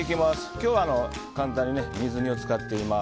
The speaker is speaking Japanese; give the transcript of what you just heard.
今日は簡単に水煮を使っています。